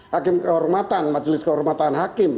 hakim kehormatan majelis kehormatan hakim